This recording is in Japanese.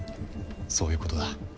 そういうことだ。